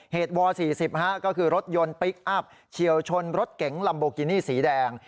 ว๔๐ก็คือรถยนต์พลิกอัพเฉียวชนรถเก๋งลัมโบกินี่สีแดง